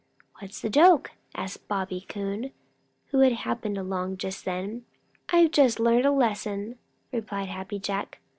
"What's the joke?" asked Bobby Coon, who happened along just then. "I've just learned a lesson," replied Happy Jack.